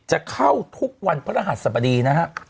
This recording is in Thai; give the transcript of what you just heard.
จะเข้าทุกวันพระรหัสสบดีนะฮะ